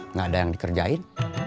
nggak ada yang dikerjain